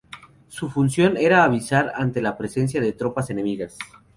Su función era avisar ante la presencia de tropas enemigas.